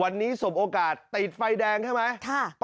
วันนี้สบโอกาสติดไฟแดงใช่ไหม